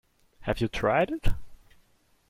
Have you tried it?